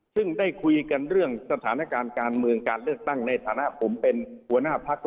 ซึ่งได้คุยกันเรื่องสถานการณ์การเมืองการเลือกตั้งในฐานะผมเป็นหัวหน้าพัก